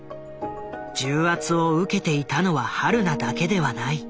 重圧を受けていたのは榛名だけではない。